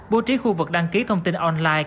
bố trí khu vực đăng ký thông tin online